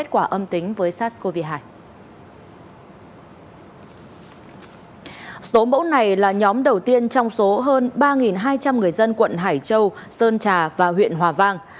số mẫu này là nhóm đầu tiên trong số hơn ba hai trăm linh người dân quận hải châu sơn trà và huyện hòa vang